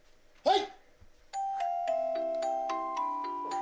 はい。